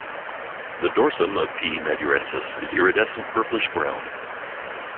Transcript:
The dorsum of "P. madurensis" is iridescent purplish brown.